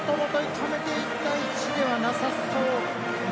もともと痛めていた位置ではなさそう？